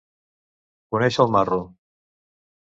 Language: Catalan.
Conèixer el marro.